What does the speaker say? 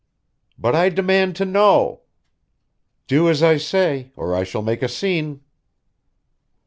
"But I demand to know " "Do as I say, or I shall make a scene!"